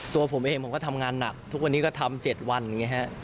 ตัวผมเองผมก็ทำงานหนักทุกวันนี้ก็ทำ๗วันอย่างนี้ฮะ